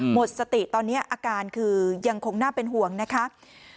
หมดสติตอนนี้อาการคือยังคงน่าเป็นห่วงนะคะ